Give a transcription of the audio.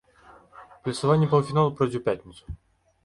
Лёсаванне паўфіналу пройдзе ў пятніцу.